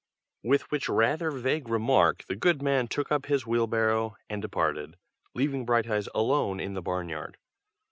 With which rather vague remark the good man took up his wheelbarrow and departed, leaving Brighteyes alone in the barn yard.